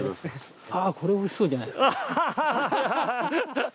あー、これはおいしそうじゃないですか。